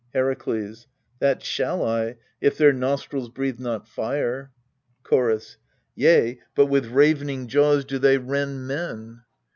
Herakles. That shall I, if their nostrils breathe not fire. Chorus. Yea, but with ravening jaws do they rend men.